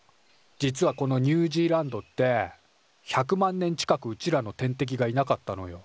実はこのニュージーランドって１００万年近くうちらの天敵がいなかったのよ。